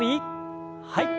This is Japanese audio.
はい。